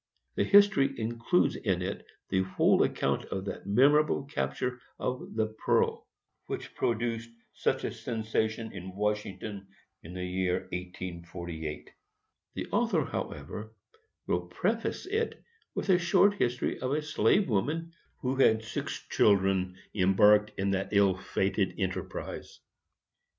The history includes in it the whole account of that memorable capture of the Pearl, which produced such a sensation in Washington in the year 1848. The author, however, will preface it with a short history of a slave woman who had six children embarked in that ill fated enterprise.